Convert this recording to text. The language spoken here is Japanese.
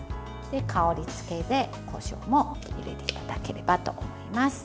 香り付けでこしょうも入れていただければと思います。